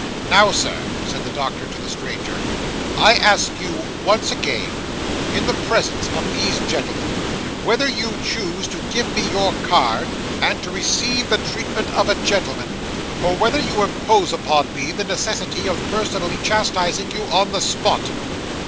'Now, sir,' said the doctor to the stranger, 'I ask you once again, in the presence of these gentlemen, whether you choose to give me your card, and to receive the treatment of a gentleman; or whether you impose upon me the necessity of personally chastising you on the spot?